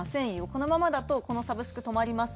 このままだとこのサブスク止まります